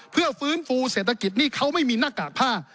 เพื่อฟื้นฟูเศรษฐกิจนี่เขาไม่มีหน้ากากผ้า